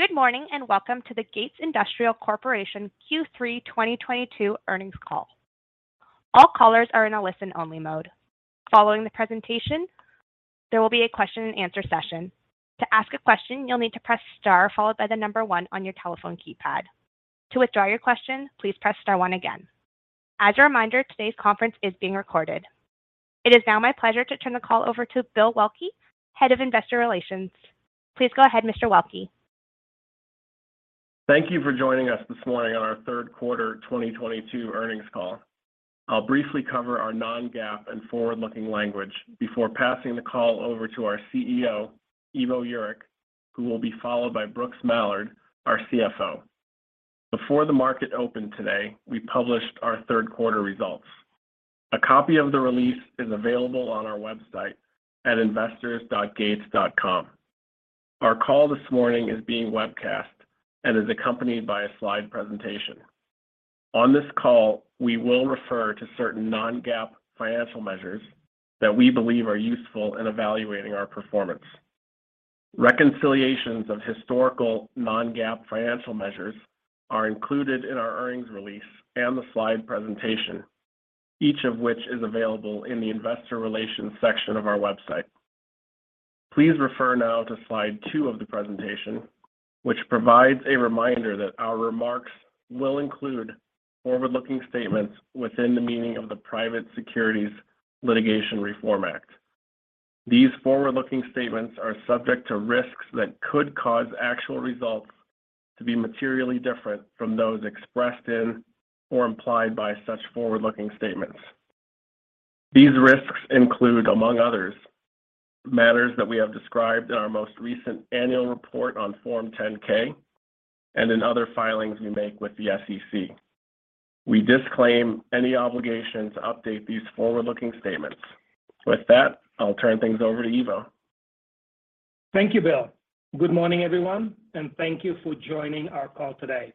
Good morning, and welcome to the Gates Industrial Corporation Q3 2022 earnings call. All callers are in a listen-only mode. Following the presentation, there will be a question-and-answer session. To ask a question, you'll need to press star followed by the number one on your telephone keypad. To withdraw your question, please press star one again. As a reminder, today's conference is being recorded. It is now my pleasure to turn the call over to Bill Waelke, Head of Investor Relations. Please go ahead, Mr. Waelke. Thank you for joining us this morning on our third quarter 2022 earnings call. I'll briefly cover our non-GAAP and forward-looking language before passing the call over to our CEO, Ivo Jurek, who will be followed by Brooks Mallard, our CFO. Before the market opened today, we published our third quarter results. A copy of the release is available on our website at investors.gates.com. Our call this morning is being webcast and is accompanied by a slide presentation. On this call, we will refer to certain non-GAAP financial measures that we believe are useful in evaluating our performance. Reconciliations of historical non-GAAP financial measures are included in our earnings release and the slide presentation, each of which is available in the Investor Relations section of our website. Please refer now to slide two of the presentation, which provides a reminder that our remarks will include forward-looking statements within the meaning of the Private Securities Litigation Reform Act. These forward-looking statements are subject to risks that could cause actual results to be materially different from those expressed in or implied by such forward-looking statements. These risks include, among others, matters that we have described in our most recent annual report on Form 10-K and in other filings we make with the SEC. We disclaim any obligation to update these forward-looking statements. With that, I'll turn things over to Ivo. Thank you, Bill. Good morning, everyone, and thank you for joining our call today.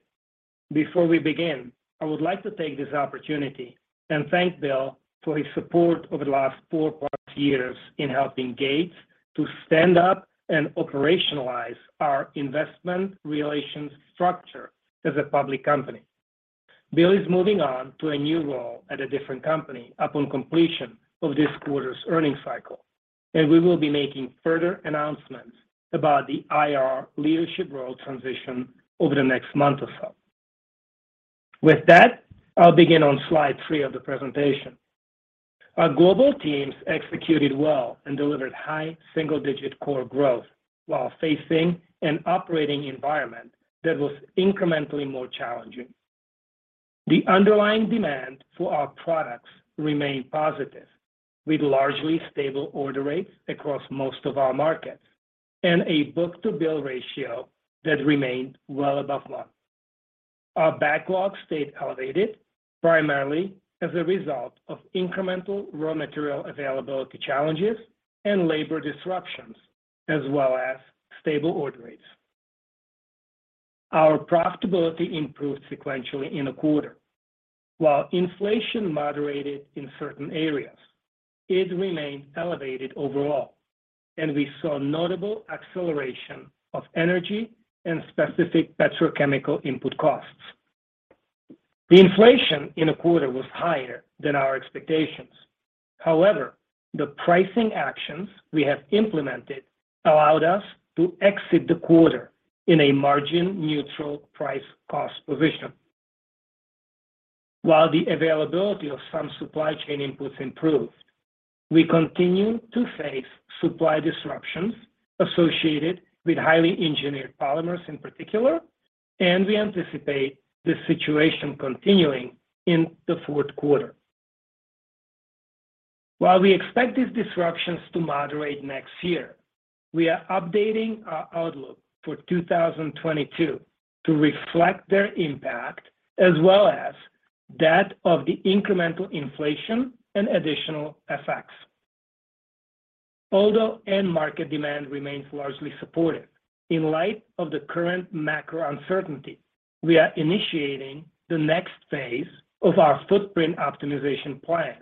Before we begin, I would like to take this opportunity and thank Bill for his support over the last 4+ years in helping Gates to stand up and operationalize our investment relations structure as a public company. Bill is moving on to a new role at a different company upon completion of this quarter's earnings cycle, and we will be making further announcements about the IR leadership role transition over the next month or so. With that, I'll begin on slide three of the presentation. Our global teams executed well and delivered high single-digit core growth while facing an operating environment that was incrementally more challenging. The underlying demand for our products remained positive, with largely stable order rates across most of our markets and a book-to-bill ratio that remained well above one. Our backlog stayed elevated primarily as a result of incremental raw material availability challenges and labor disruptions, as well as stable order rates. Our profitability improved sequentially in the quarter. While inflation moderated in certain areas, it remained elevated overall, and we saw notable acceleration of energy and specific petrochemical input costs. The inflation in the quarter was higher than our expectations. However, the pricing actions we have implemented allowed us to exit the quarter in a margin-neutral price cost position. While the availability of some supply chain inputs improved, we continue to face supply disruptions associated with highly engineered polymers in particular, and we anticipate this situation continuing in the fourth quarter. While we expect these disruptions to moderate next year, we are updating our outlook for 2022 to reflect their impact as well as that of the incremental inflation and additional FX. Although end market demand remains largely supportive, in light of the current macro uncertainty, we are initiating the next phase of our footprint optimization plan,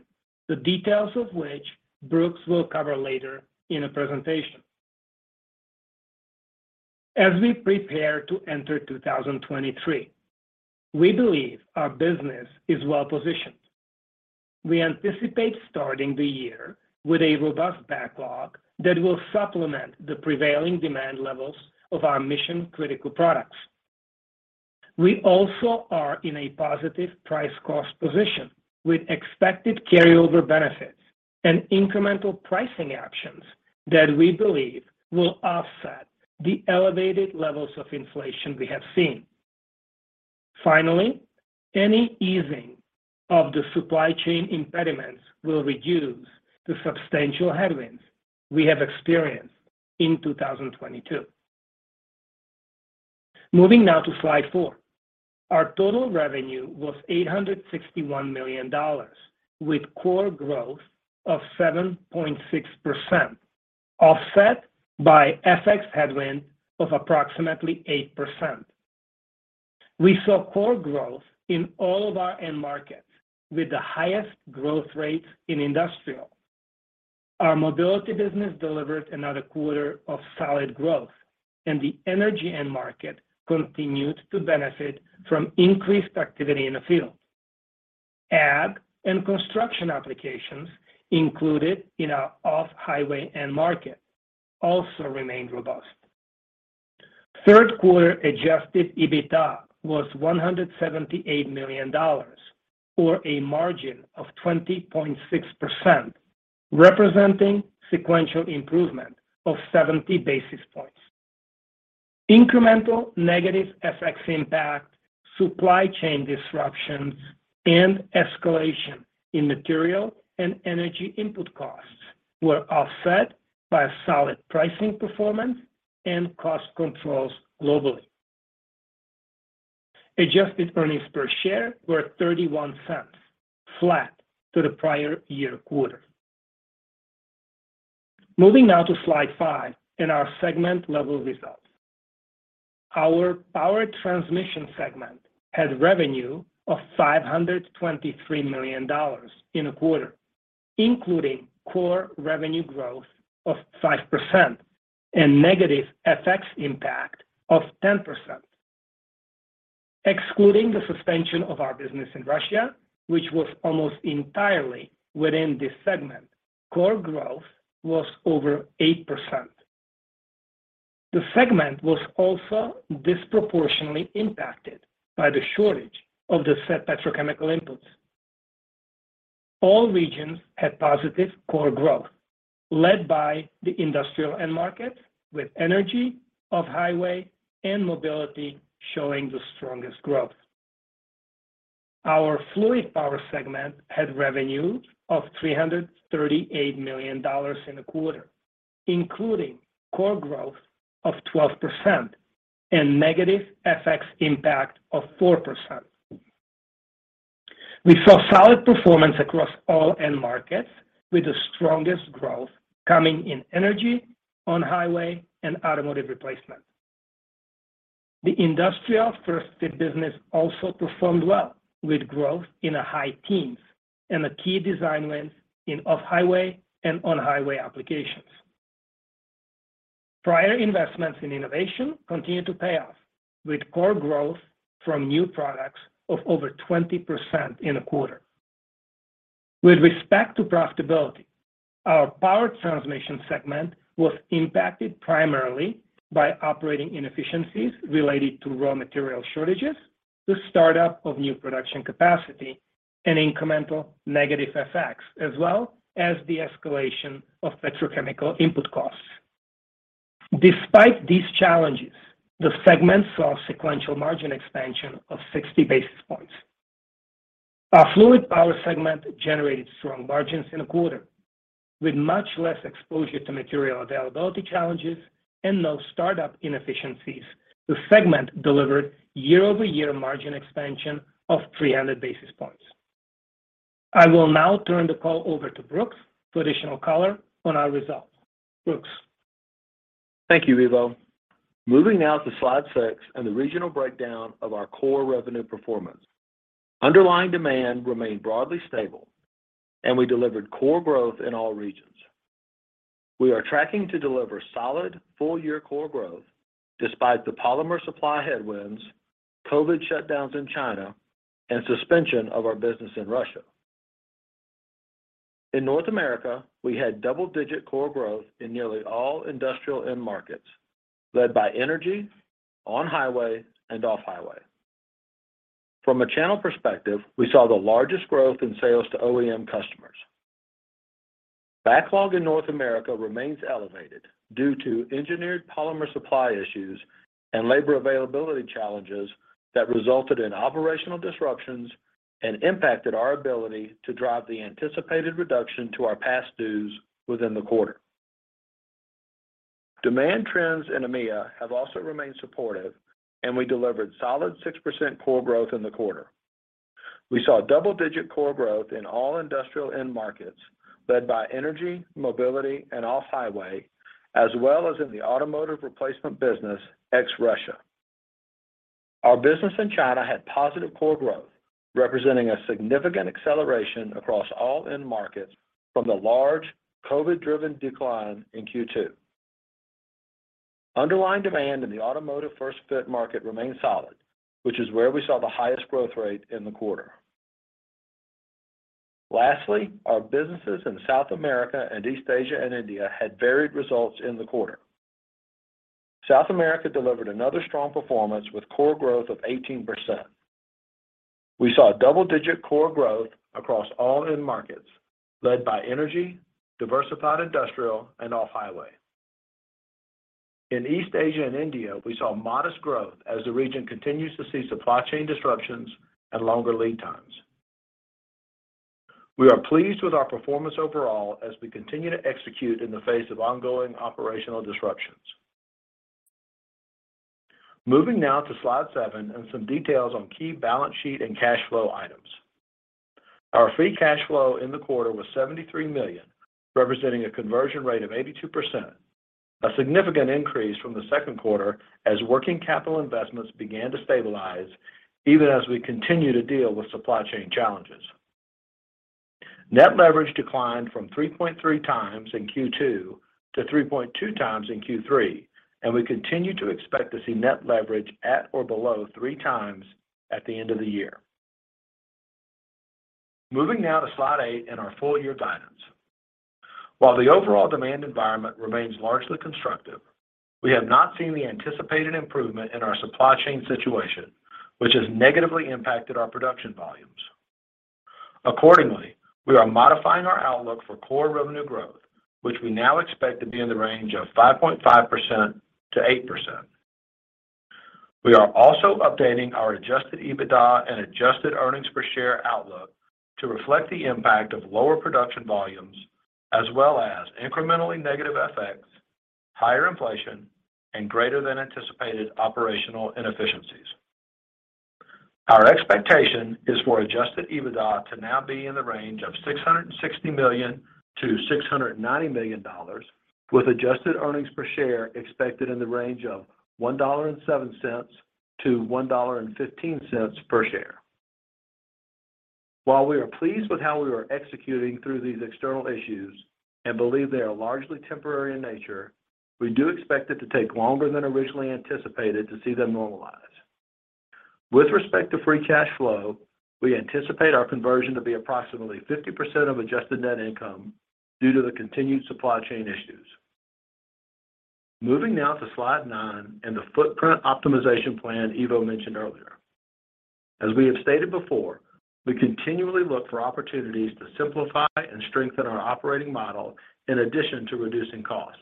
the details of which Brooks will cover later in the presentation. As we prepare to enter 2023, we believe our business is well-positioned. We anticipate starting the year with a robust backlog that will supplement the prevailing demand levels of our mission-critical products. We also are in a positive price cost position with expected carryover benefits and incremental pricing actions that we believe will offset the elevated levels of inflation we have seen. Finally, any easing of the supply chain impediments will reduce the substantial headwinds we have experienced in 2022. Moving now to slide four. Our total revenue was $861 million, with core growth of 7.6%, offset by FX headwind of approximately 8%. We saw core growth in all of our end markets, with the highest growth rates in industrial. Our mobility business delivered another quarter of solid growth, and the energy end market continued to benefit from increased activity in the field. Ad and construction applications included in our off-highway end market also remained robust. Third quarter adjusted EBITDA was $178 million or a margin of 20.6%, representing sequential improvement of 70 basis points. Incremental negative FX impact, supply chain disruptions and escalation in material and energy input costs were offset by a solid pricing performance and cost controls globally. Adjusted earnings per share were $0.31, flat to the prior year quarter. Moving now to slide five in our segment-level results. Our Power Transmission segment had revenue of $523 million in the quarter, including core revenue growth of 5% and negative FX impact of 10%. Excluding the suspension of our business in Russia, which was almost entirely within this segment, core growth was over 8%. The segment was also disproportionately impacted by the shortage of the said petrochemical inputs. All regions had positive core growth, led by the industrial end market, with energy, off-highway and mobility showing the strongest growth. Our Fluid Power segment had revenue of $338 million in the quarter, including core growth of 12% and negative FX impact of 4%. We saw solid performance across all end markets, with the strongest growth coming in energy, on-highway and automotive replacement. The industrial First Fit business also performed well with growth in the high teens and the key design wins in off-highway and on-highway applications. Prior investments in innovation continue to pay off, with core growth from new products of over 20% in the quarter. With respect to profitability, our Power Transmission segment was impacted primarily by operating inefficiencies related to raw material shortages, the start of new production capacity, and incremental negative effects, as well as the escalation of petrochemical input costs. Despite these challenges, the segment saw sequential margin expansion of 60 basis points. Our Fluid Power segment generated strong margins in the quarter. With much less exposure to material availability challenges and no start-up inefficiencies, the segment delivered year-over-year margin expansion of 300 basis points. I will now turn the call over to Brooks for additional color on our results. Brooks? Thank you, Ivo. Moving now to slide six and the regional breakdown of our core revenue performance. Underlying demand remained broadly stable and we delivered core growth in all regions. We are tracking to deliver solid full-year core growth despite the polymer supply headwinds, COVID shutdowns in China, and suspension of our business in Russia. In North America, we had double-digit core growth in nearly all industrial end markets, led by energy on-highway and off-highway. From a channel perspective, we saw the largest growth in sales to OEM customers. Backlog in North America remains elevated due to engineered polymer supply issues and labor availability challenges that resulted in operational disruptions and impacted our ability to drive the anticipated reduction to our past dues within the quarter. Demand trends in EMEA have also remained supportive, and we delivered solid 6% core growth in the quarter. We saw double-digit core growth in all industrial end markets led by energy, mobility, and off-highway, as well as in the automotive replacement business, ex Russia. Our business in China had positive core growth, representing a significant acceleration across all end markets from the large COVID-driven decline in Q2. Underlying demand in the automotive First Fit market remains solid, which is where we saw the highest growth rate in the quarter. Lastly, our businesses in South America and East Asia and India had varied results in the quarter. South America delivered another strong performance with core growth of 18%. We saw double-digit core growth across all end markets led by energy, diversified industrial, and off-highway. In East Asia and India, we saw modest growth as the region continues to see supply chain disruptions and longer lead times. We are pleased with our performance overall as we continue to execute in the face of ongoing operational disruptions. Moving now to slide seven and some details on key balance sheet and cash flow items. Our free cash flow in the quarter was $73 million, representing a conversion rate of 82%. A significant increase from the second quarter as working capital investments began to stabilize even as we continue to deal with supply chain challenges. Net leverage declined from 3.3x in Q2 to 3.2x in Q3, and we continue to expect to see net leverage at or below 3x at the end of the year. Moving now to slide eight and our full year guidance. While the overall demand environment remains largely constructive, we have not seen the anticipated improvement in our supply chain situation, which has negatively impacted our production volumes. Accordingly, we are modifying our outlook for core revenue growth, which we now expect to be in the range of 5.5%-8%. We are also updating our adjusted EBITDA and adjusted earnings per share outlook to reflect the impact of lower production volumes as well as incrementally negative FX, higher inflation, and greater-than-anticipated operational inefficiencies. Our expectation is for adjusted EBITDA to now be in the range of $660 million-$690 million with adjusted earnings per share expected in the range of $1.07-$1.15 per share. While we are pleased with how we are executing through these external issues and believe they are largely temporary in nature, we do expect it to take longer than originally anticipated to see them normalize. With respect to free cash flow, we anticipate our conversion to be approximately 50% of adjusted net income due to the continued supply chain issues. Moving now to slide nine and the footprint optimization plan Ivo mentioned earlier. As we have stated before, we continually look for opportunities to simplify and strengthen our operating model in addition to reducing costs.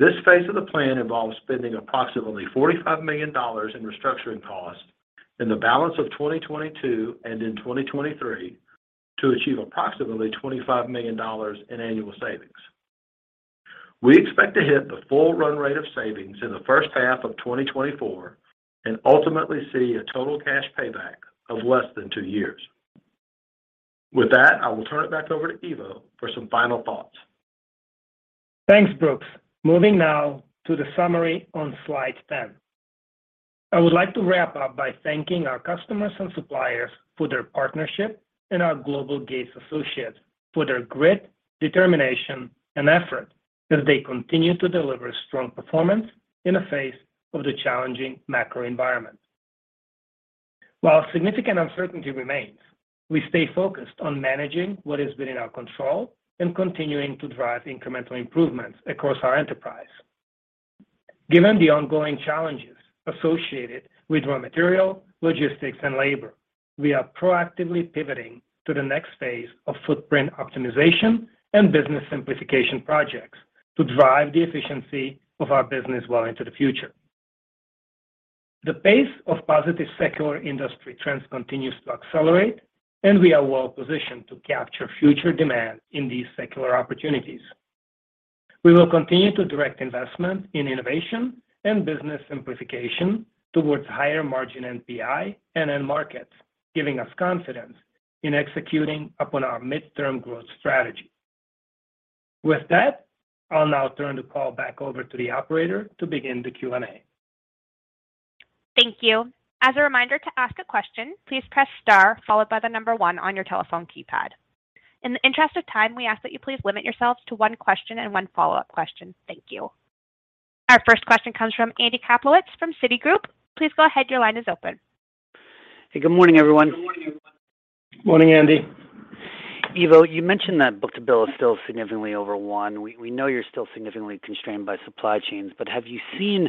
This phase of the plan involves spending approximately $45 million in restructuring costs in the balance of 2022 and in 2023 to achieve approximately $25 million in annual savings. We expect to hit the full run rate of savings in the first half of 2024 and ultimately see a total cash payback of less than two years. With that, I will turn it back over to Ivo for some final thoughts. Thanks, Brooks. Moving now to the summary on slide 10. I would like to wrap up by thanking our customers and suppliers for their partnership and our global Gates associates for their grit, determination, and effort as they continue to deliver strong performance in the face of the challenging macro environment. While significant uncertainty remains, we stay focused on managing what has been in our control and continuing to drive incremental improvements across our enterprise. Given the ongoing challenges associated with raw material, logistics, and labor, we are proactively pivoting to the next phase of footprint optimization and business simplification projects to drive the efficiency of our business well into the future. The pace of positive secular industry trends continues to accelerate, and we are well positioned to capture future demand in these secular opportunities. We will continue to direct investment in innovation and business simplification towards higher margin NPI and end markets, giving us confidence in executing upon our midterm growth strategy. With that, I'll now turn the call back over to the operator to begin the Q&A. Thank you. As a reminder to ask a question, please press star followed by the number one on your telephone keypad. In the interest of time, we ask that you please limit yourselves to one question and one follow-up question. Thank you. Our first question comes from Andy Kaplowitz from Citigroup. Please go ahead. Your line is open. Hey, good morning, everyone. Morning, Andy. Ivo, you mentioned that book-to-bill is still significantly over one. We know you're still significantly constrained by supply chains, but have you seen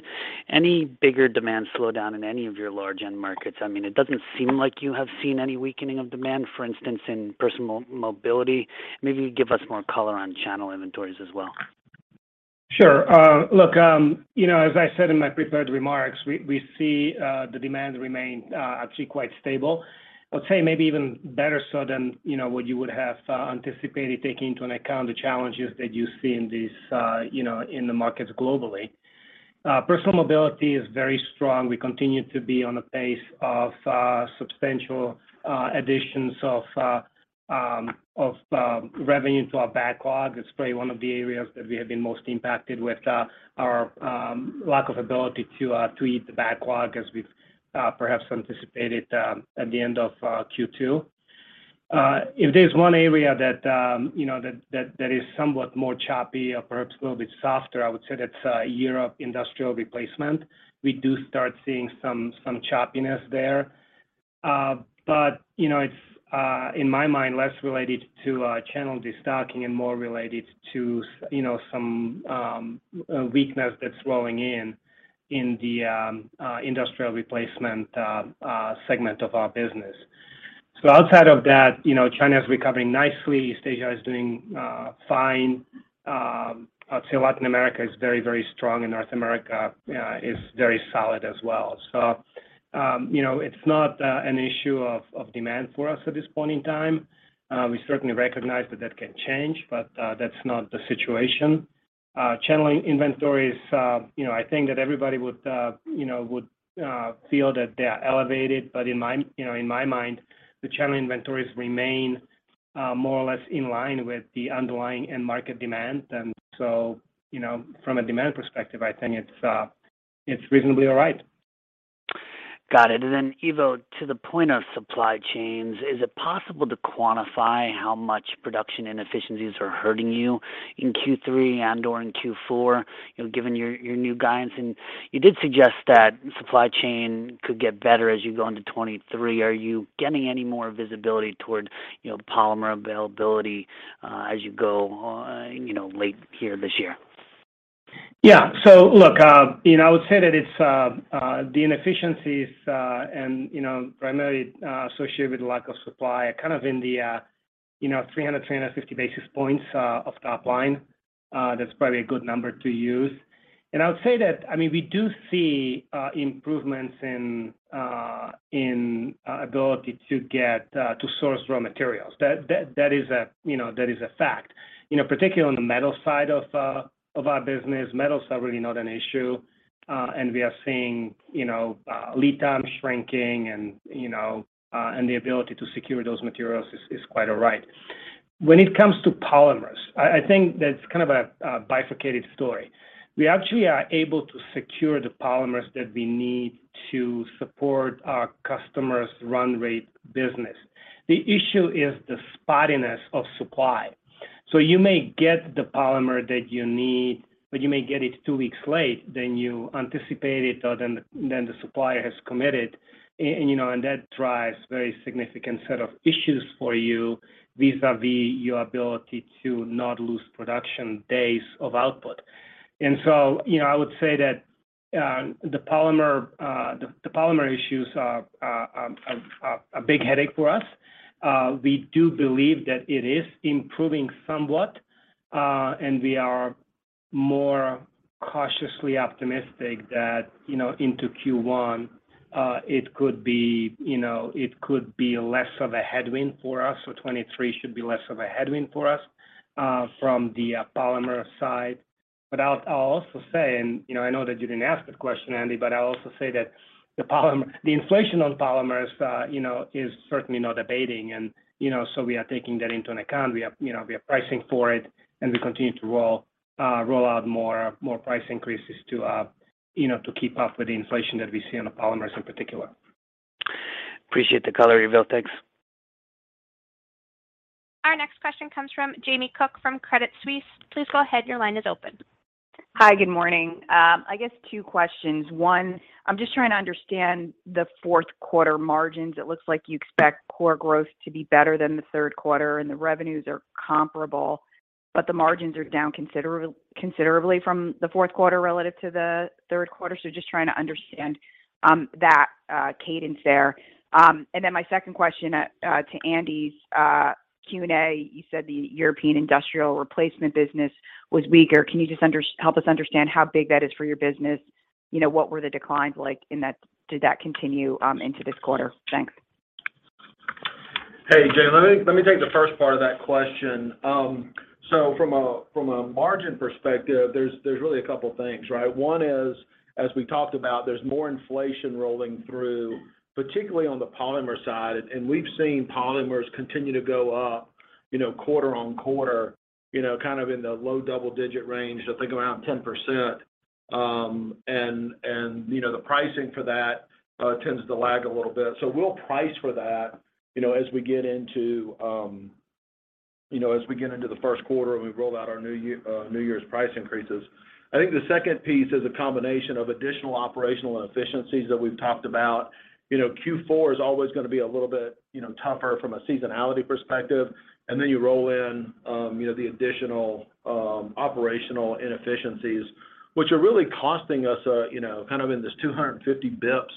any bigger demand slowdown in any of your large end markets? I mean, it doesn't seem like you have seen any weakening of demand, for instance, in personal mobility. Maybe give us more color on channel inventories as well. Sure. Look, you know, as I said in my prepared remarks, we see the demand remain actually quite stable. I'd say maybe even better so than, you know, what you would have anticipated taking into account the challenges that you see in these, you know, in the markets globally. Personal Mobility is very strong. We continue to be on a pace of substantial additions of revenue into our backlog. It's probably one of the areas that we have been most impacted with our lack of ability to eat the backlog as we've perhaps anticipated at the end of Q2. If there's one area that, you know, that is somewhat more choppy or perhaps a little bit softer, I would say that's European industrial replacement. We do start seeing some choppiness there. You know, it's in my mind, less related to channel destocking and more related to some weakness that's rolling in the industrial replacement segment of our business. Outside of that, you know, China is recovering nicely. Asia is doing fine. I'd say Latin America is very, very strong, and North America is very solid as well. You know, it's not an issue of demand for us at this point in time. We certainly recognize that can change, but that's not the situation. Channel inventories, you know, I think that everybody would feel that they are elevated. In my mind, you know, the channel inventories remain more or less in line with the underlying end market demand. You know, from a demand perspective, I think it's reasonably all right. Got it. Then Ivo, to the point of supply chains, is it possible to quantify how much production inefficiencies are hurting you in Q3 and/or in Q4, you know, given your new guidance? You did suggest that supply chain could get better as you go into 2023. Are you getting any more visibility toward, you know, polymer availability, as you go, you know, late here this year? Yeah. Look, you know, I would say that it's the inefficiencies and, you know, primarily associated with lack of supply are kind of in the 300, 350 basis points of top line. That's probably a good number to use. I would say that, I mean, we do see improvements in ability to source raw materials. That is a fact. You know, particularly on the metal side of our business, metals are really not an issue. We are seeing, you know, lead times shrinking and the ability to secure those materials is quite all right. When it comes to polymers, I think that's kind of a bifurcated story. We actually are able to secure the polymers that we need to support our customers' run rate business. The issue is the spottiness of supply. You may get the polymer that you need, but you may get it two weeks late than you anticipated or than the supplier has committed. You know, that drives very significant set of issues for you vis-a-vis your ability to not lose production days of output. You know, I would say that the polymer issues are a big headache for us. We do believe that it is improving somewhat, and we are more cautiously optimistic that, you know, into Q1, it could be, you know, it could be less of a headwind for us, or 2023 should be less of a headwind for us, from the polymer side. I'll also say, you know, I know that you didn't ask the question, Andy, but I'll also say that the inflation on polymers, you know, is certainly not abating. We are taking that into account. We are, you know, we are pricing for it, and we continue to roll out more price increases to, you know, to keep up with the inflation that we see on the polymers in particular. Appreciate the color, Ivo. Thanks. Our next question comes from Jamie Cook from Credit Suisse. Please go ahead. Your line is open. Hi. Good morning. I guess two questions. One, I'm just trying to understand the fourth quarter margins. It looks like you expect core growth to be better than the third quarter, and the revenues are comparable, but the margins are down considerably from the fourth quarter relative to the third quarter. Just trying to understand that cadence there. Then my second question, to Andy's Q&A, you said the European industrial replacement business was weaker. Can you just help us understand how big that is for your business? You know, what were the declines like in that? Did that continue into this quarter? Thanks. Hey, Jamie. Let me take the first part of that question. From a margin perspective, there's really a couple things, right? One is, as we talked about, there's more inflation rolling through, particularly on the polymer side. We've seen polymers continue to go up, you know, quarter-on-quarter, you know, kind of in the low double-digit range. Think around 10%. You know, the pricing for that tends to lag a little bit. We'll price for that, you know, as we get into the first quarter and we roll out our New Year's price increases. I think the second piece is a combination of additional operational inefficiencies that we've talked about. You know, Q4 is always gonna be a little bit, you know, tougher from a seasonality perspective. Then you roll in, you know, the additional operational inefficiencies, which are really costing us, you know, kind of in this 250 basis points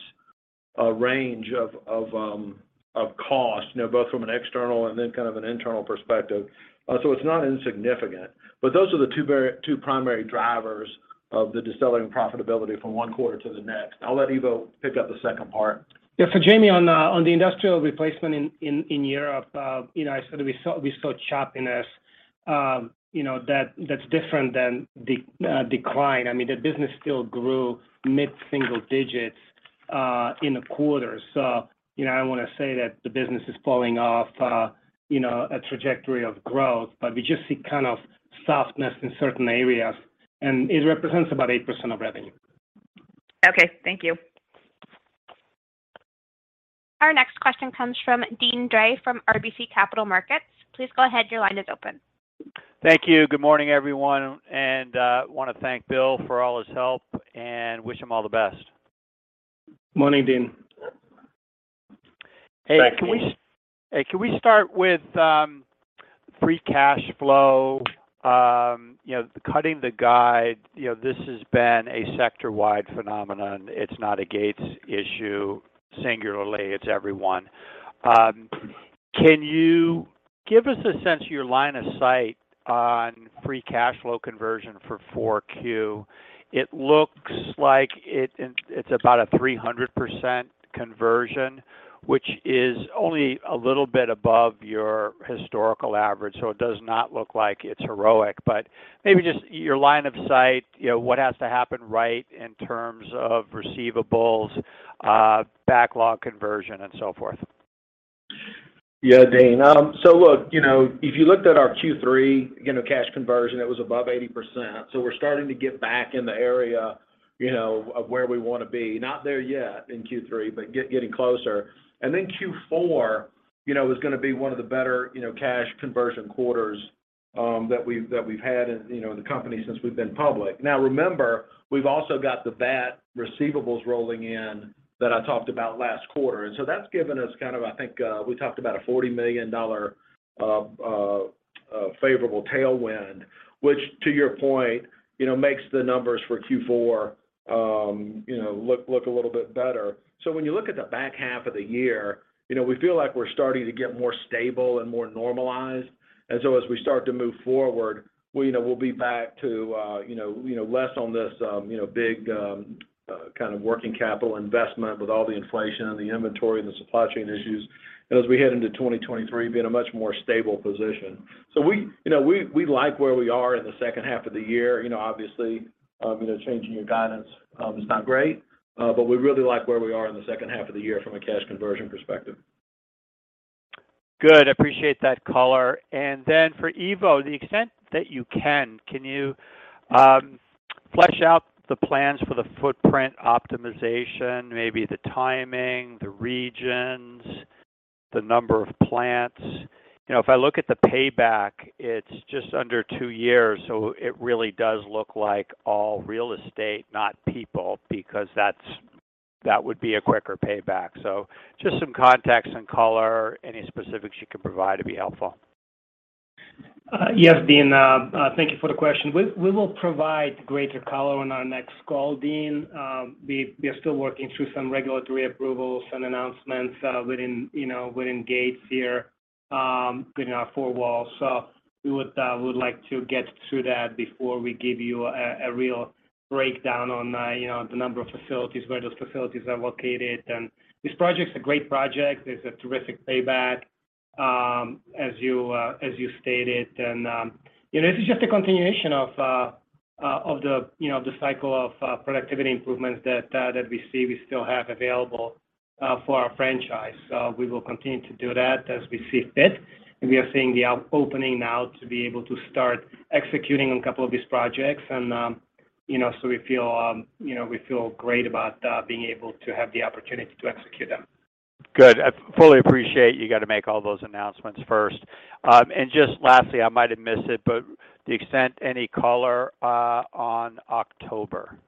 range of cost, you know, both from an external and then kind of an internal perspective. It's not insignificant. Those are the two primary drivers of the decelerating profitability from one quarter to the next. I'll let Ivo pick up the second part. Yeah. Jamie, on the industrial replacement in Europe, you know, I said we saw choppiness, you know, that's different than decline. I mean, the business still grew mid-single digits in the quarter. You know, I don't wanna say that the business is falling off a trajectory of growth, but we just see kind of softness in certain areas, and it represents about 8% of revenue. Okay. Thank you. Our next question comes from Deane Dray from RBC Capital Markets. Please go ahead. Your line is open. Thank you. Good morning, everyone. Wanna thank Bill for all his help and wish him all the best. Morning, Deane. Thanks, Deane. Hey, can we start with free cash flow? You know, cutting the guide, you know, this has been a sector-wide phenomenon. It's not a Gates issue singularly, it's everyone. Can you give us a sense of your line of sight on free cash flow conversion for 4Q? It looks like it's about a 300% conversion, which is only a little bit above your historical average, so it does not look like it's heroic. But maybe just your line of sight, you know, what has to happen right in terms of receivables, backlog conversion and so forth. Yeah, Deane. Look, you know, if you looked at our Q3, you know, cash conversion, it was above 80%. We're starting to get back in the area, you know, of where we wanna be. Not there yet in Q3, but getting closer. Then Q4, you know, is gonna be one of the better, you know, cash conversion quarters that we've had in, you know, in the company since we've been public. Now remember, we've also got the VAT receivables rolling in that I talked about last quarter. That's given us kind of, I think, we talked about a $40 million favorable tailwind, which to your point, you know, makes the numbers for Q4, you know, look a little bit better. When you look at the back half of the year, you know, we feel like we're starting to get more stable and more normalized. As we start to move forward, we, you know, will be back to, you know, less on this, you know, big, kind of working capital investment with all the inflation and the inventory and the supply chain issues. As we head into 2023, be in a much more stable position. We, you know, we like where we are in the second half of the year. You know, obviously, you know, changing your guidance is not great. But we really like where we are in the second half of the year from a cash conversion perspective. Good. Appreciate that color. For Ivo, the extent that you can you flesh out the plans for the footprint optimization, maybe the timing, the regions, the number of plants? You know, if I look at the payback, it's just under two years, so it really does look like all real estate, not people, because that would be a quicker payback. Just some context and color, any specifics you can provide would be helpful. Yes, Deane. Thank you for the question. We will provide greater color on our next call, Deane. We are still working through some regulatory approvals and announcements within, you know, within Gates here, within our four walls. We would like to get through that before we give you a real breakdown on, you know, the number of facilities, where those facilities are located. This project's a great project. There's a terrific payback as you stated. You know, this is just a continuation of the, you know, of the cycle of productivity improvements that we see we still have available for our franchise. We will continue to do that as we see fit. We are seeing the opening now to be able to start executing on a couple of these projects. You know, we feel great about being able to have the opportunity to execute them. Good. I fully appreciate you gotta make all those announcements first. Just lastly, I might have missed it, but the extent any color on October.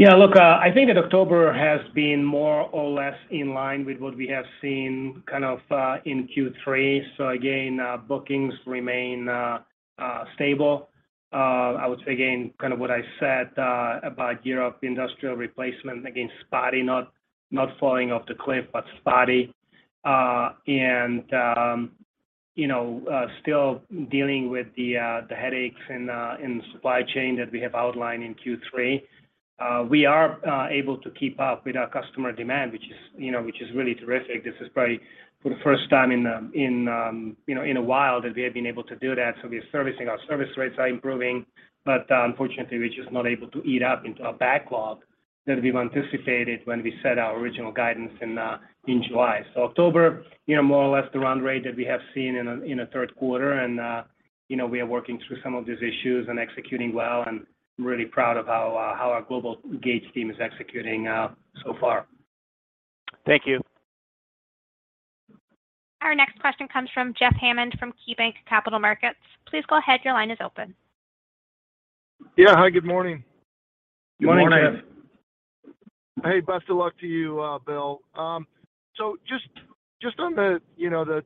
Yeah, look, I think that October has been more or less in line with what we have seen kind of in Q3. Again, bookings remain stable. I would say again, kind of what I said about Europe industrial replacement, again, spotty, not falling off the cliff, but spotty. You know, still dealing with the headaches in the supply chain that we have outlined in Q3. We are able to keep up with our customer demand, which is, you know, really terrific. This is probably for the first time in, you know, in a while that we have been able to do that. We are servicing, our service rates are improving, but unfortunately, we're just not able to eat into our backlog that we've anticipated when we set our original guidance in July. October, you know, more or less the run rate that we have seen in a third quarter and, you know, we are working through some of these issues and executing well, and really proud of how our global Gates team is executing so far. Thank you. Our next question comes from Jeff Hammond from KeyBanc Capital Markets. Please go ahead, your line is open. Yeah. Hi, good morning. Good morning. Morning, Jeff. Hey, best of luck to you, Bill. So just on the, you know, the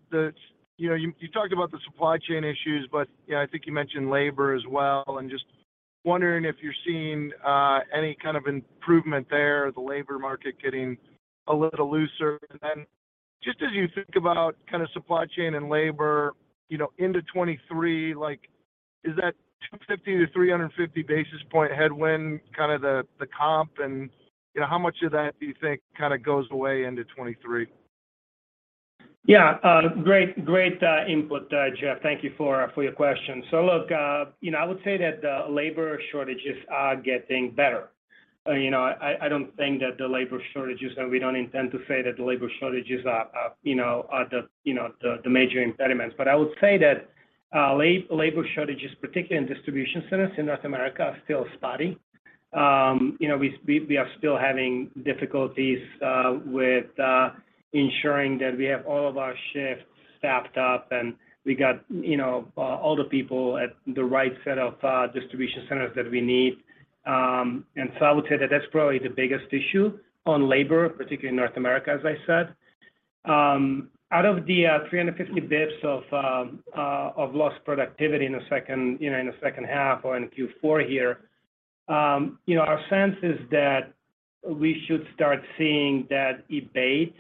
supply chain issues, but, you know, I think you mentioned labor as well. I'm just wondering if you're seeing any kind of improvement there, the labor market getting a little looser. Then just as you think about kind of supply chain and labor, you know, into 2023, like, is that 250-350 basis points headwind, kind of the comp and, you know, how much of that do you think kind of goes away into 2023? Yeah. Great input, Jeff, thank you for your question. Look, you know, I would say that the labor shortages are getting better. You know, I don't think that the labor shortages, and we don't intend to say that the labor shortages are, you know, are the, you know, the major impediments. I would say that labor shortages, particularly in distribution centers in North America, are still spotty. You know, we are still having difficulties with ensuring that we have all of our shifts staffed up and we got, you know, all the people at the right set of distribution centers that we need. I would say that that's probably the biggest issue on labor, particularly in North America, as I said. Out of the 350 basis points of lost productivity in the second, you know, in the second half or in Q4 here. You know, our sense is that we should start seeing that abate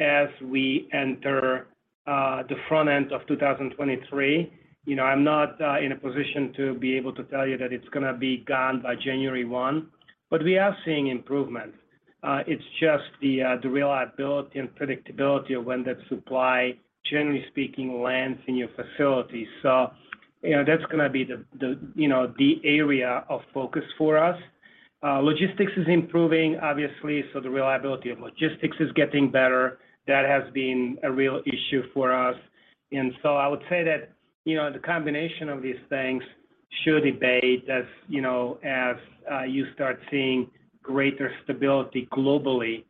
as we enter the front end of 2023. You know, I'm not in a position to be able to tell you that it's gonna be gone by January 1, but we are seeing improvement. It's just the reliability and predictability of when that supply, generally speaking, lands in your facility. You know, that's gonna be the area of focus for us. Logistics is improving obviously, so the reliability of logistics is getting better. That has been a real issue for us. I would say that, you know, the combination of these things should abate as, you know, as, you start seeing greater stability globally,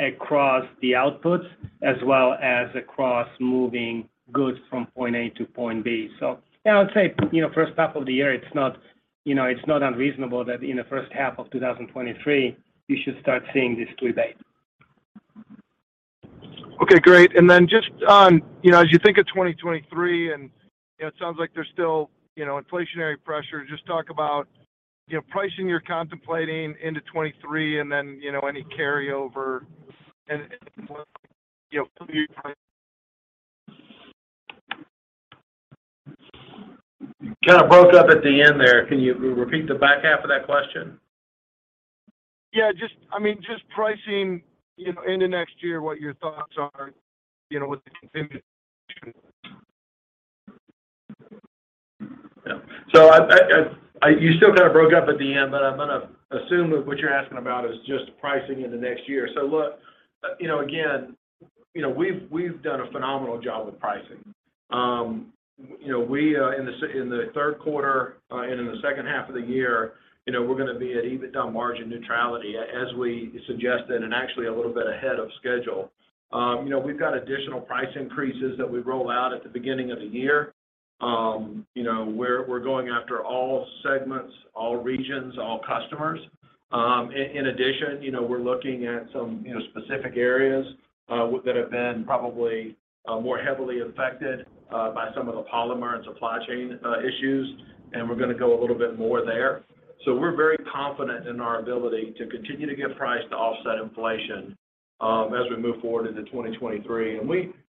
across the outputs as well as across moving goods from point A to point B. Yeah, I would say, you know, first half of the year it's not, you know, it's not unreasonable that in the first half of 2023 you should start seeing this to abate. Okay, great. Just on, you know, as you think of 2023, and, you know, it sounds like there's still, you know, inflationary pressure, just talk about, you know, pricing you're contemplating into 2023 and then, you know, any carryover and you know— Kind of broke up at the end there. Can you repeat the back half of that question? I mean, just pricing, you know, into next year, what your thoughts are, you know, with the continued inflation? Yeah. You still kind of broke up at the end, but I'm gonna assume that what you're asking about is just pricing in the next year. Look, you know, again, you know, we've done a phenomenal job with pricing. You know, we in the third quarter and in the second half of the year, you know, we're gonna be at EBITDA margin neutrality as we suggested, and actually a little bit ahead of schedule. You know, we've got additional price increases that we roll out at the beginning of the year. You know, we're going after all segments, all regions, all customers. In addition, you know, we're looking at some, you know, specific areas that have been probably more heavily affected by some of the polymer and supply chain issues, and we're gonna go a little bit more there. We're very confident in our ability to continue to get price to offset inflation as we move forward into 2023.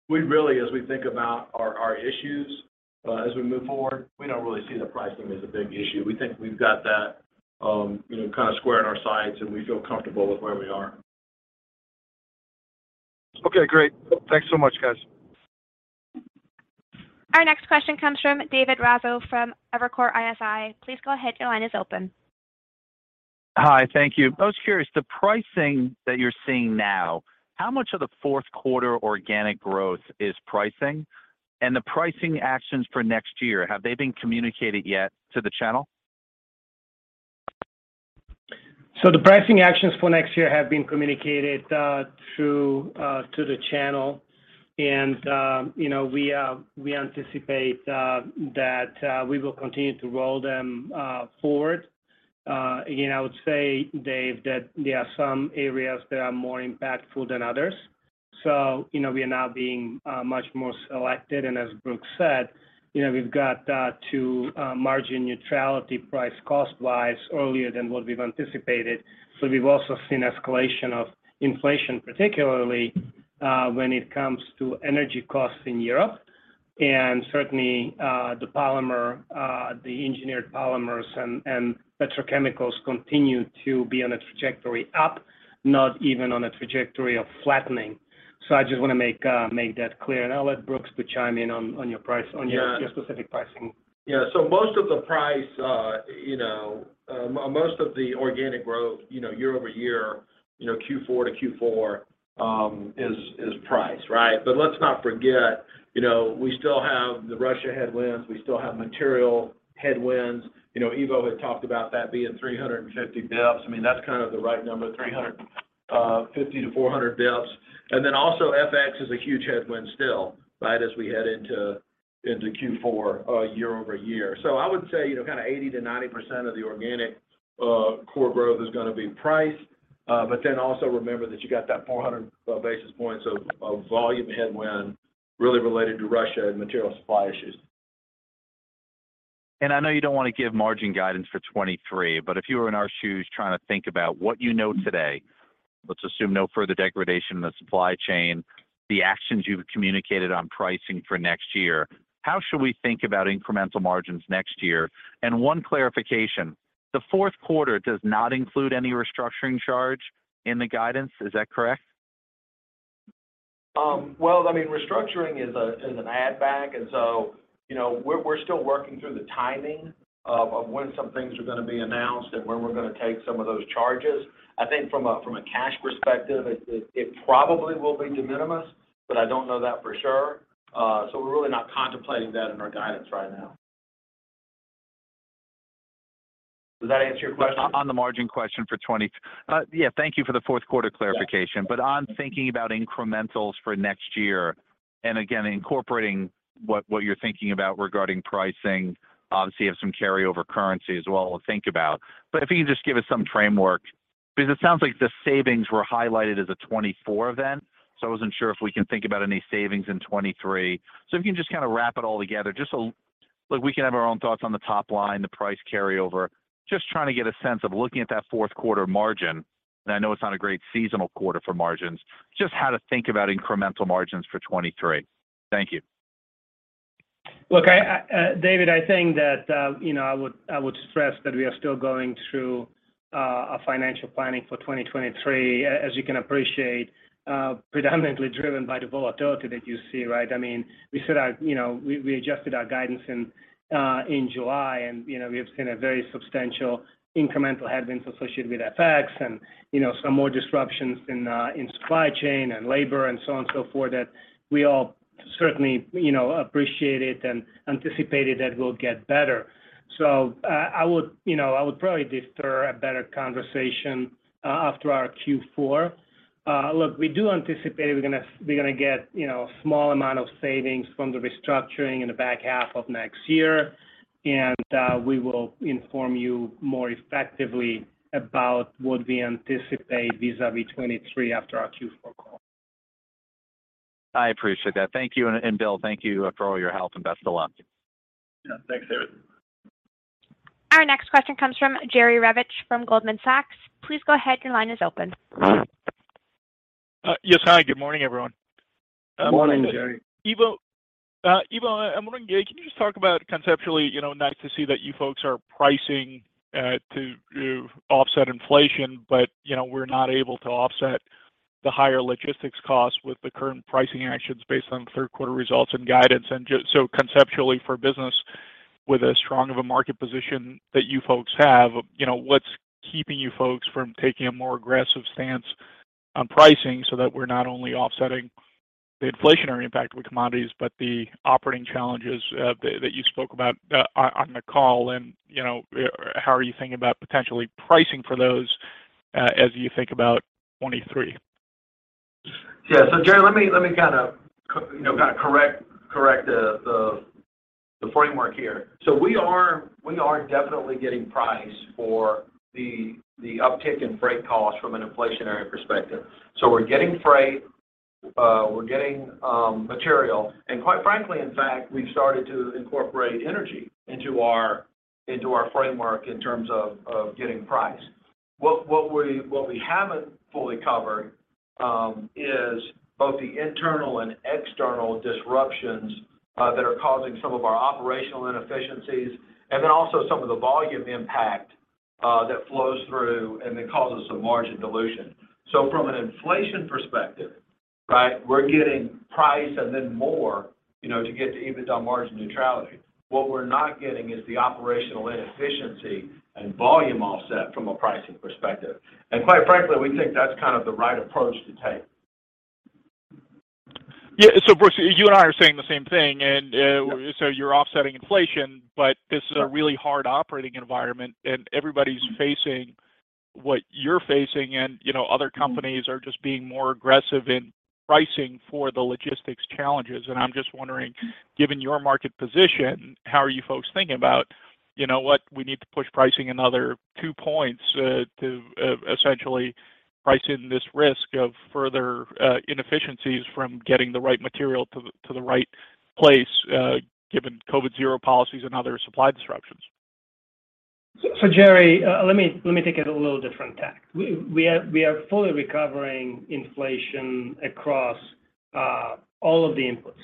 We really, as we think about our issues as we move forward, we don't really see the pricing as a big issue. We think we've got that, you know, kind of square in our sights, and we feel comfortable with where we are. Okay, great. Thanks so much, guys. Our next question comes from David Raso from Evercore ISI. Please go ahead, your line is open. Hi. Thank you. I was curious, the pricing that you're seeing now, how much of the fourth quarter organic growth is pricing? The pricing actions for next year, have they been communicated yet to the channel? The pricing actions for next year have been communicated through to the channel. You know, we anticipate that we will continue to roll them forward. Again, I would say, Dave, that there are some areas that are more impactful than others. You know, we are now being much more selective. As Brooks said, you know, we've got to margin neutrality price cost-wise earlier than what we've anticipated. We've also seen escalation of inflation, particularly when it comes to energy costs in Europe. Certainly, the engineered polymers and petrochemicals continue to be on a trajectory up, not even on a trajectory of flattening. I just wanna make that clear, and I'll let Brooks chime in on your price, on your specific pricing. Most of the price, you know, most of the organic growth, you know, year-over-year, you know, Q4-to-Q4, is price, right? Let's not forget, you know, we still have the Russia headwinds, we still have material headwinds. You know, Ivo had talked about that being 350 basis points. I mean, that's kind of the right number, 350-400 basis points. Then also FX is a huge headwind still, right, as we head into Q4 year-over-year. I would say, you know, kinda 80%-90% of the organic core growth is gonna be price. Then also remember that you got that 400 basis points of volume headwind really related to Russia and material supply issues. I know you don't wanna give margin guidance for 2023, but if you were in our shoes trying to think about what you know today, let's assume no further degradation in the supply chain, the actions you've communicated on pricing for next year, how should we think about incremental margins next year? One clarification, the fourth quarter does not include any restructuring charge in the guidance. Is that correct? Well, I mean, restructuring is an add back. You know, we're still working through the timing of when some things are gonna be announced and when we're gonna take some of those charges. I think from a cash perspective, it probably will be de minimis, but I don't know that for sure. We're really not contemplating that in our guidance right now. Does that answer your question? On the margin question, yeah, thank you for the fourth quarter clarification. On thinking about incrementals for next year, and again incorporating what you're thinking about regarding pricing, obviously you have some carryover currency as well to think about, but if you could just give us some framework. Because it sounds like the savings were highlighted as a 2024 event, so I wasn't sure if we can think about any savings in 2023. If you can just kind of wrap it all together, just so, look, we can have our own thoughts on the top line, the price carryover. Just trying to get a sense of looking at that fourth quarter margin, and I know it's not a great seasonal quarter for margins, just how to think about incremental margins for 2023. Thank you. Look, I, David, I think that, you know, I would stress that we are still going through a financial planning for 2023, as you can appreciate, predominantly driven by the volatility that you see, right? I mean, we set our you know, we adjusted our guidance in July and, you know, we have seen a very substantial incremental headwinds associated with FX and, you know, some more disruptions in supply chain and labor and so on and so forth that we all certainly, you know, appreciated and anticipated that will get better. I would, you know, I would probably defer a better conversation after our Q4. Look, we do anticipate we're gonna get, you know, a small amount of savings from the restructuring in the back half of next year. We will inform you more effectively about what we anticipate vis-à-vis 2023 after our Q4 call. I appreciate that. Thank you. Bill, thank you for all your help, and best of luck. Yeah. Thanks, David. Our next question comes from Jerry Revich from Goldman Sachs. Please go ahead. Your line is open. Yes. Hi, good morning, everyone. Morning, Jerry. Ivo, I'm wondering, can you just talk about conceptually, you know, nice to see that you folks are pricing to offset inflation, but, you know, we're not able to offset the higher logistics costs with the current pricing actions based on third quarter results and guidance. So conceptually for business with as strong of a market position that you folks have, you know, what's keeping you folks from taking a more aggressive stance on pricing so that we're not only offsetting the inflationary impact with commodities, but the operating challenges that you spoke about on the call? You know, how are you thinking about potentially pricing for those as you think about 2023? Jerry, let me kinda you know kinda correct the framework here. We are definitely getting price for the uptick in freight costs from an inflationary perspective. We're getting freight, we're getting material. And quite frankly, in fact, we've started to incorporate energy into our framework in terms of getting price. What we haven't fully covered is both the internal and external disruptions that are causing some of our operational inefficiencies and then also some of the volume impact that flows through and then causes some margin dilution. From an inflation perspective, right, we're getting price and then more, you know, to get to EBITDA margin neutrality. What we're not getting is the operational inefficiency and volume offset from a pricing perspective. Quite frankly, we think that's kind of the right approach to take. Yeah. Brooks, you and I are saying the same thing. You're offsetting inflation, but this is a really hard operating environment, and everybody's facing what you're facing. You know, other companies are just being more aggressive in pricing for the logistics challenges. I'm just wondering, given your market position, how are you folks thinking about, you know what, we need to push pricing another 2 points, to essentially price in this risk of further inefficiencies from getting the right material to the right place, given COVID-zero policies and other supply disruptions? Jerry, let me take it a little different tack. We are fully recovering inflation across all of the inputs.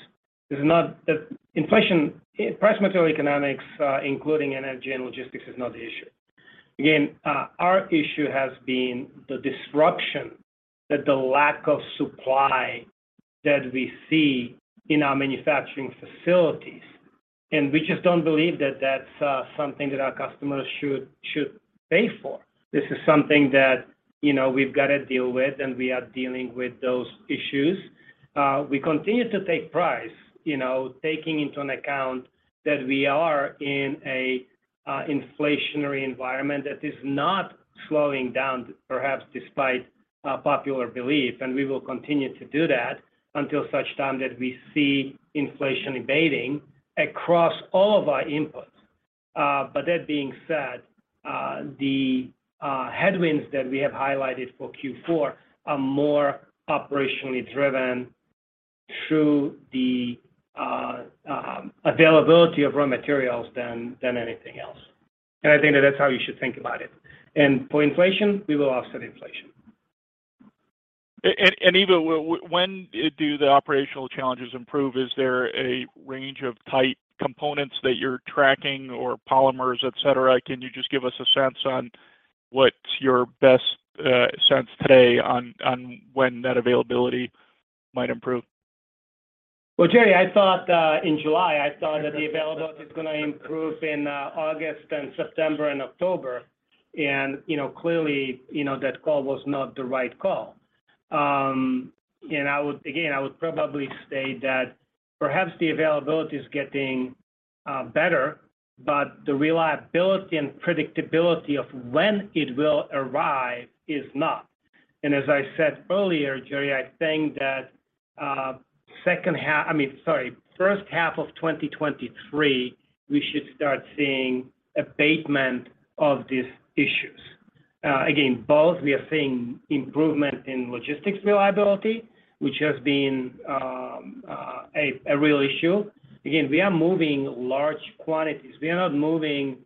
This is not— the inflation— Price material economics, including energy and logistics, is not the issue. Again, our issue has been the disruption that the lack of supply that we see in our manufacturing facilities. We just don't believe that that's something that our customers should pay for. This is something that, you know, we've got to deal with, and we are dealing with those issues. We continue to take price, you know, taking into account that we are in an inflationary environment that is not slowing down, perhaps despite popular belief. We will continue to do that until such time that we see inflation abating across all of our inputs. That being said, the headwinds that we have highlighted for Q4 are more operationally driven through the availability of raw materials than anything else. I think that that's how you should think about it. For inflation, we will offset inflation. Ivo, when do the operational challenges improve? Is there a range of tight components that you're tracking or polymers, et cetera? Can you just give us a sense on what your best sense today on when that availability might improve? Well, Jerry, I thought in July, I thought that the availability is gonna improve in August and September and October. You know, clearly, you know, that call was not the right call. I would again, I would probably say that perhaps the availability is getting better, but the reliability and predictability of when it will arrive is not. As I said earlier, Jerry, I think that first half of 2023, we should start seeing abatement of these issues. Again, both we are seeing improvement in logistics reliability, which has been a real issue. Again, we are moving large quantities. We are not moving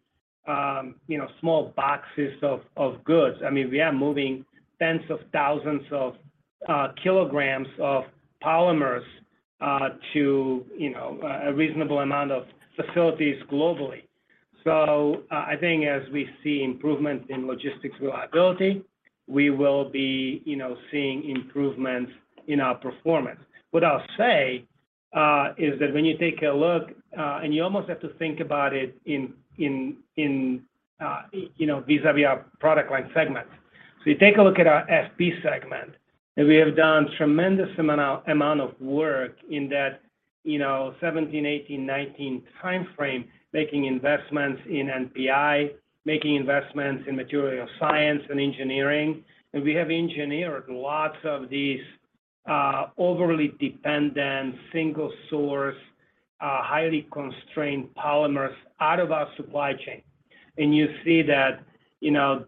you know, small boxes of goods. I mean, we are moving tens of thousands of kilograms of polymers to you know a reasonable amount of facilities globally. I think as we see improvement in logistics reliability, we will be you know seeing improvements in our performance. What I'll say is that when you take a look and you almost have to think about it in you know vis-a-vis our product line segments. You take a look at our FP segment, and we have done tremendous amount of work in that you know 2017, 2018, 2019 time frame, making investments in NPI, making investments in material science and engineering. We have engineered lots of these overly dependent, single source, highly constrained polymers out of our supply chain. You see that you know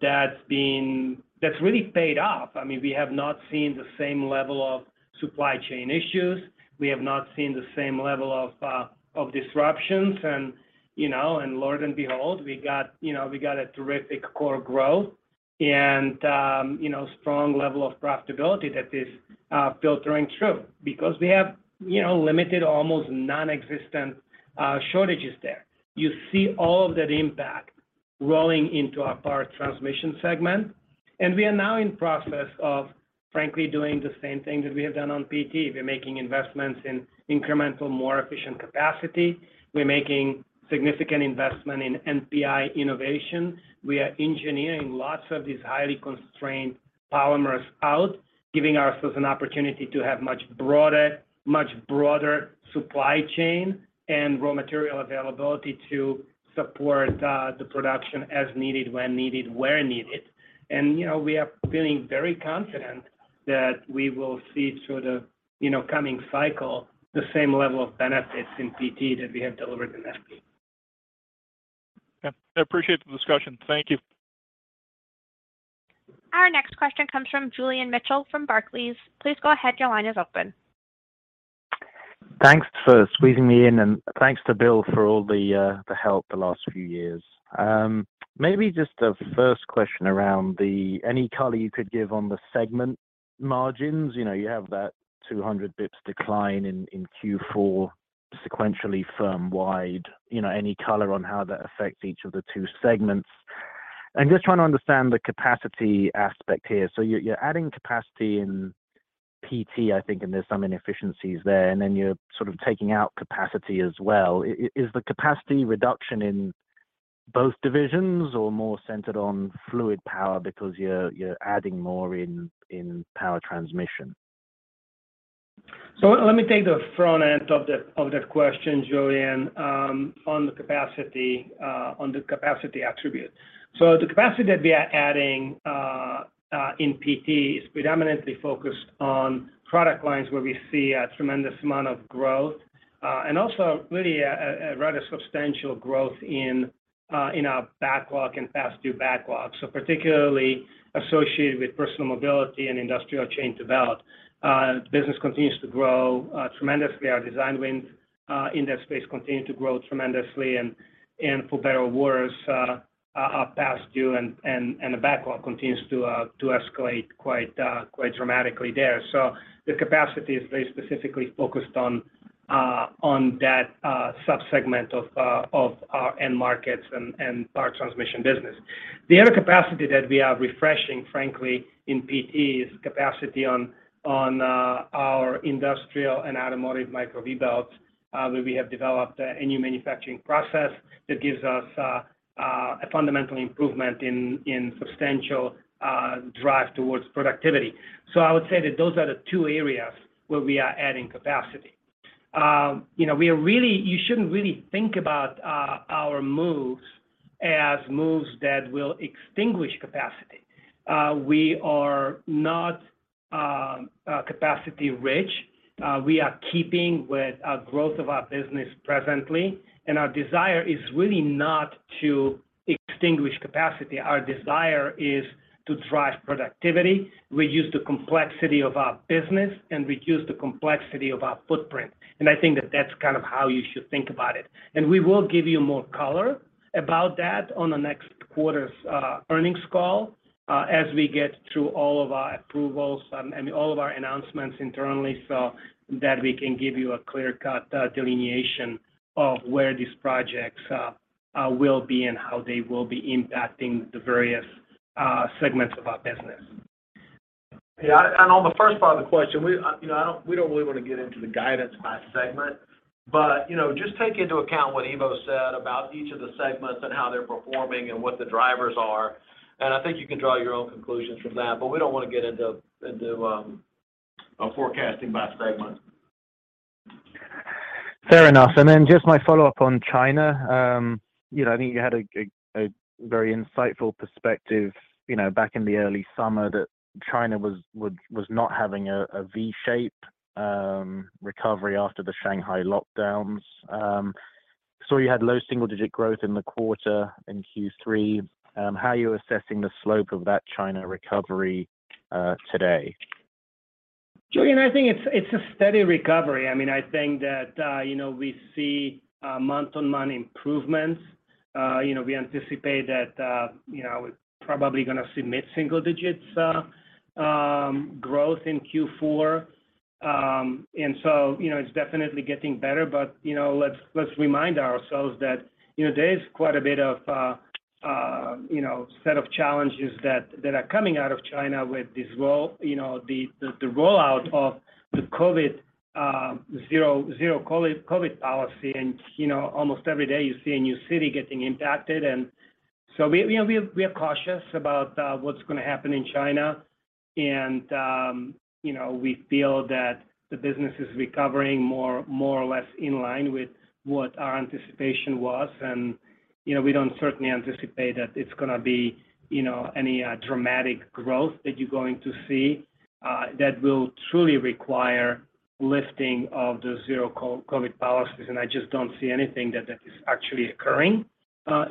that's really paid off. I mean, we have not seen the same level of supply chain issues. We have not seen the same level of disruptions. Lo and behold, we got a terrific core growth and strong level of profitability that is filtering through because we have limited, almost nonexistent, shortages there. You see all of that impact rolling into our Power Transmission segment. We are now in process of, frankly, doing the same thing that we have done on PT. We're making investments in incremental, more efficient capacity. We're making significant investment in NPI innovation. We are engineering lots of these highly constrained polymers out, giving ourselves an opportunity to have much broader supply chain and raw material availability to support the production as needed, when needed, where needed. You know, we are feeling very confident that we will see sort of, you know, coming cycle, the same level of benefits in PT that we have delivered in FP. Yeah, I appreciate the discussion. Thank you. Our next question comes from Julian Mitchell from Barclays. Please go ahead. Your line is open. Thanks for squeezing me in, and thanks to Bill for all the help the last few years. Maybe just the first question around any color you could give on the segment margins. You know, you have that 200 basis points decline in Q4 sequentially firm-wide. You know, any color on how that affects each of the two segments. I'm just trying to understand the capacity aspect here. You're adding capacity in PT, I think, and there's some inefficiencies there, and then you're sort of taking out capacity as well. Is the capacity reduction in both divisions or more centered on fluid power because you're adding more in power transmission? Let me take the front end of that question, Julian, on the capacity attribute. The capacity that we are adding in PT is predominantly focused on product lines where we see a tremendous amount of growth, and also really a rather substantial growth in our backlog and past due backlog. Particularly associated with Personal Mobility and industrial chain development. Business continues to grow tremendously. Our design wins in that space continue to grow tremendously. And for better or worse, our past due and the backlog continues to escalate quite dramatically there. The capacity is very specifically focused on that sub-segment of our end markets and Power Transmission business. The other capacity that we are refreshing, frankly, in PT is capacity on our industrial and automotive Micro-V belts, where we have developed a new manufacturing process that gives us a fundamental improvement in substantial drive towards productivity. I would say that those are the two areas where we are adding capacity. You shouldn't really think about our moves as moves that will extinguish capacity. We are not capacity-rich. We are keeping with our growth of our business presently, and our desire is really not to extinguish capacity. Our desire is to drive productivity, reduce the complexity of our business, and reduce the complexity of our footprint. I think that that's kind of how you should think about it. We will give you more color about that on the next quarter's earnings call, as we get through all of our approvals and all of our announcements internally so that we can give you a clear-cut delineation of where these projects will be and how they will be impacting the various segments of our business. Yeah. On the first part of the question, we, you know, we don't really want to get into the guidance by segment. You know, just take into account what Ivo said about each of the segments and how they're performing and what the drivers are. I think you can draw your own conclusions from that. We don't want to get into forecasting by segment. Fair enough. Just my follow-up on China. You know, I think you had a very insightful perspective, you know, back in the early summer that China was not having a V-shape recovery after the Shanghai lockdowns. You had low single-digit growth in the quarter in Q3. How are you assessing the slope of that China recovery today? Julian, I think it's a steady recovery. I mean, I think that, you know, we see month-on-month improvements. You know, we anticipate that, you know, we're probably gonna see mid-single digits growth in Q4. You know, it's definitely getting better, but, you know, let's remind ourselves that, you know, there is quite a bit of, you know, set of challenges that are coming out of China with this rollout of the COVID, zero-COVID policy. You know, almost every day you see a new city getting impacted. We, you know, we are cautious about what's gonna happen in China. You know, we feel that the business is recovering more or less in line with what our anticipation was. You know, we don't certainly anticipate that it's gonna be, you know, any dramatic growth that you're going to see that will truly require lifting of the zero-COVID policies, and I just don't see anything that is actually occurring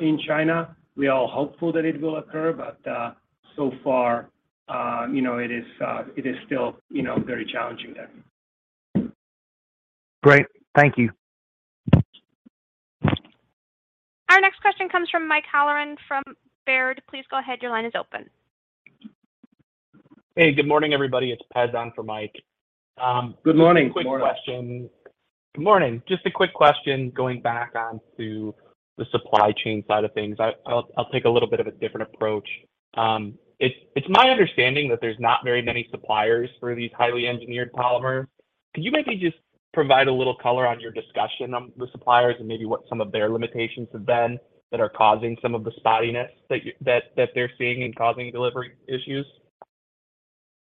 in China. We are hopeful that it will occur, but so far, you know, it is still, you know, very challenging there. Great. Thank you. Our next question comes from Michael Halloran from Baird. Please go ahead. Your line is open. Hey, good morning, everybody. It's Pez on for Mike. Good morning. Just a quick question. Good morning. Just a quick question, going back onto the supply chain side of things. I'll take a little bit of a different approach. It's my understanding that there's not very many suppliers for these highly engineered polymers. Could you maybe just provide a little color on your discussion on the suppliers and maybe what some of their limitations have been that are causing some of the spottiness that they're seeing and causing delivery issues?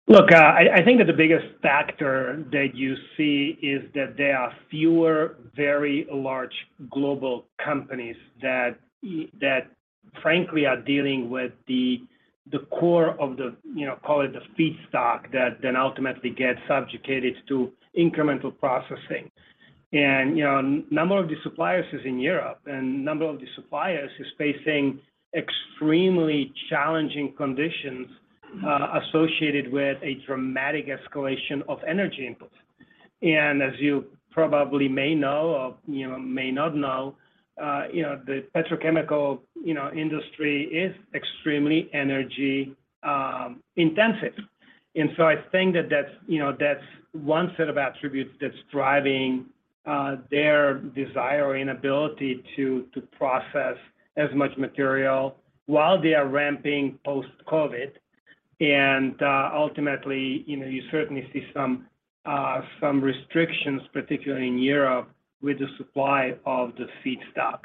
Look, I think that the biggest factor that you see is that there are fewer very large global companies that frankly are dealing with the core of, you know, call it the feedstock that then ultimately gets subjected to incremental processing. You know, number of the suppliers is in Europe, and number of the suppliers is facing extremely challenging conditions associated with a dramatic escalation of energy inputs. As you probably may know or, you know, may not know, you know, the petrochemical industry is extremely energy intensive. I think that that's one set of attributes that's driving their desire and ability to process as much material while they are ramping post-COVID. Ultimately, you know, you certainly see some restrictions, particularly in Europe, with the supply of the feedstock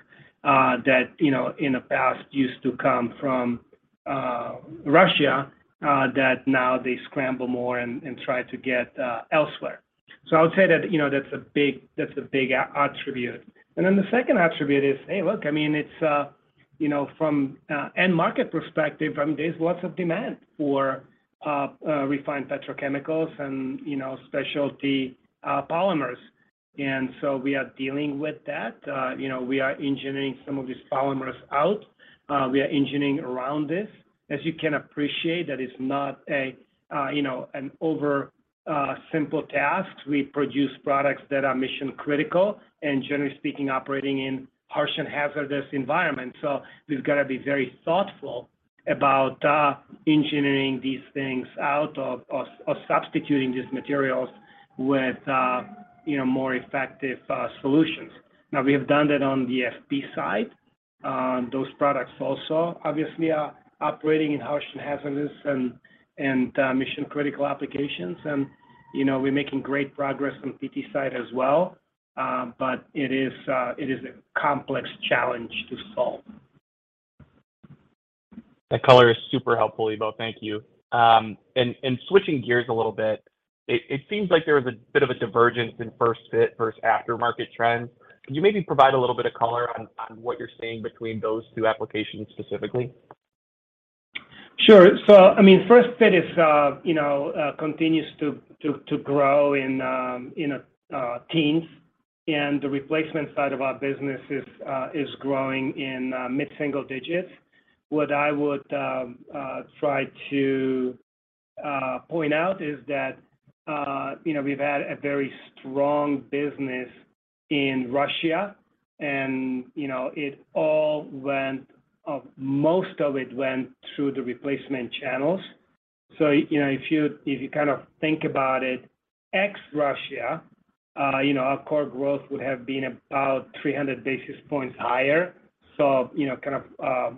that you know in the past used to come from Russia that now they scramble more and try to get elsewhere. I would say that, you know, that's a big attribute. The second attribute is, hey, look, I mean, it's you know from an end market perspective, there's lots of demand for refined petrochemicals and you know specialty polymers. We are dealing with that. You know, we are engineering some of these polymers out. We are engineering around this. As you can appreciate, that is not you know an overly simple task. We produce products that are mission-critical and generally speaking, operating in harsh and hazardous environments. We've gotta be very thoughtful about engineering these things out of substituting these materials with, you know, more effective solutions. Now, we have done that on the FP side. Those products also obviously are operating in harsh and hazardous and mission-critical applications. You know, we're making great progress on PT side as well. But it is a complex challenge to solve. That color is super helpful, Ivo. Thank you. Switching gears a little bit, it seems like there was a bit of a divergence in First Fit versus aftermarket trends. Could you maybe provide a little bit of color on what you're seeing between those two applications specifically? Sure. I mean, First Fit continues to grow in the teens, and the replacement side of our business is growing in mid-single digits. What I would try to point out is that, you know, we've had a very strong business in Russia and, you know, most of it went through the replacement channels. If you kind of think about it, ex-Russia, you know, our core growth would have been about 300 basis points higher. You know, kind of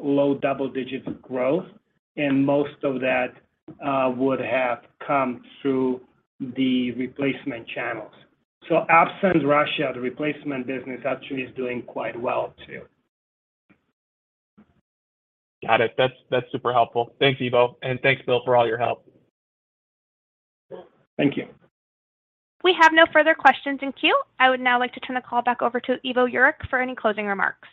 low double-digit growth. Most of that would have come through the replacement channels. Absent Russia, the replacement business actually is doing quite well too. Got it. That's super helpful. Thanks, Ivo. Thanks Bill, for all your help. Thank you. We have no further questions in queue. I would now like to turn the call back over to Ivo Jurek for any closing remarks.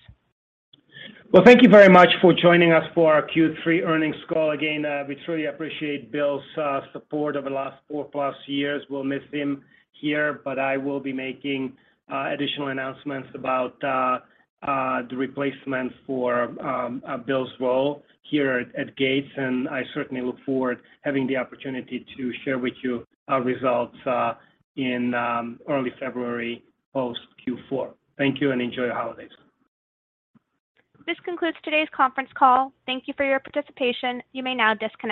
Well, thank you very much for joining us for our Q3 earnings call. Again, we truly appreciate Bill's support over the last four-plus years. We'll miss him here, but I will be making additional announcements about the replacement for Bill's role here at Gates, and I certainly look forward having the opportunity to share with you our results in early February post Q4. Thank you and enjoy your holidays. This concludes today's conference call. Thank you for your participation. You may now disconnect.